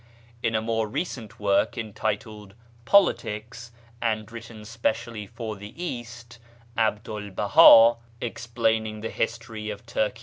In a more recent work entitled " Politics," and written specially for the East, 'Abdu'l Baha, explaining the history of Turkey 1 Kiiabu 'l Aqdas, p.